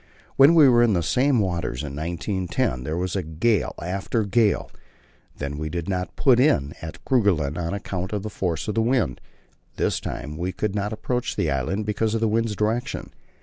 When we were in the same waters in 1910, there was gale after gale; then we did not put in at Kerguelen on account of the force of the wind; this time we could not approach the island because of the wind's direction.